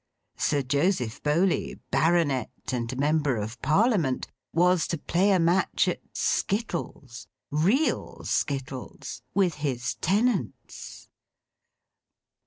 Sir Joseph Bowley, Baronet and Member of Parliament, was to play a match at skittles—real skittles—with his tenants!